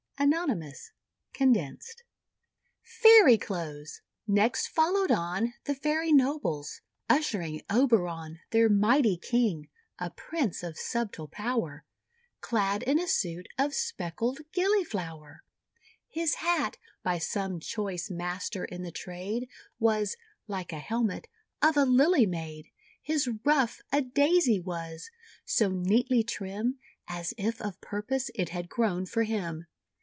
ANON, (condensed) FAIRY CLOTHES Next followed on The Fairy Nobles, ushering Oberon Their mighty King, a prince of subtile power t Clad in a suit of speckled Gillyflower. His hat, by some choice master in the trade, Was (like a helmet) of a Lily made. His ruff, a Daisy was, so neatly trim, As if of purpose it had grown for him.